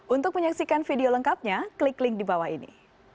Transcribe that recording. untuk menyaksikan video lengkapnya klik link di bawah ini